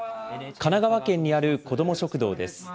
神奈川県にある子ども食堂です。